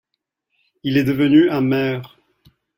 Il est devenu amer.